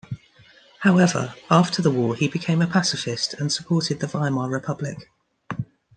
However, after the war he became a pacifist and supported the Weimar Republic.